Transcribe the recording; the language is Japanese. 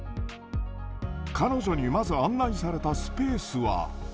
彼女にまず案内されたスペースは。